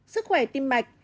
sức khỏe tim mạch